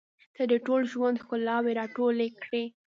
• ته د ټول ژوند ښکلاوې راټولې کړې.